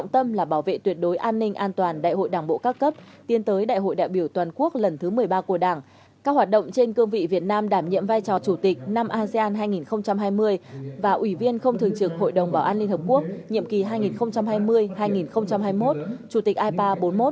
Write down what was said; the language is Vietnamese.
tiến tới đại hội đại biểu toàn quốc lần thứ một mươi ba của đảng các hoạt động trên cương vị việt nam đảm nhiệm vai trò chủ tịch năm asean hai nghìn hai mươi và ủy viên không thường trực hội đồng bảo an liên hợp quốc nhiệm kỳ hai nghìn hai mươi hai nghìn hai mươi một chủ tịch ipa bốn mươi một